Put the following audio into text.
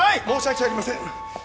申し訳ありません！